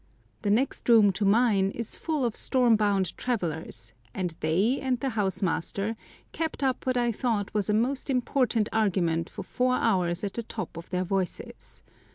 The next room to mine is full of storm bound travellers, and they and the house master kept up what I thought was a most important argument for four hours at the top of their voices.